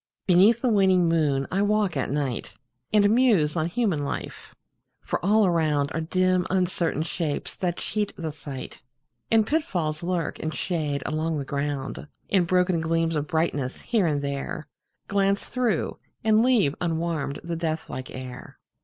Beneath the waning moon I walk at night, And muse on human life for all around Are dim uncertain shapes that cheat the sight, And pitfalls lurk in shade along the ground, And broken gleams of brightness, here and there, Glance through, and leave unwarmed the death like air.